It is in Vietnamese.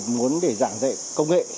muốn để giảng dạy công nghệ